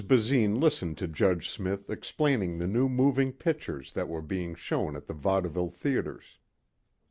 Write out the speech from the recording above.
Basine listened to Judge Smith explaining the new moving pictures that were being shown at the vaudeville theaters.